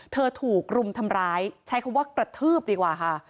ถูกรุมทำร้ายใช้คำว่ากระทืบดีกว่าค่ะ